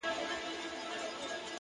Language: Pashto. مثبت چلند اړیکې پیاوړې کوي,